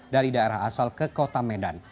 dari daerah asal ke kota medan